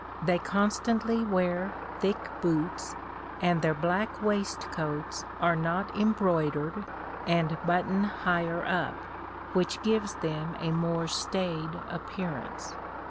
They constantly wear thick boots, and their black waistcoats are not embroidered, and button higher up, which gives them a more staid appearance.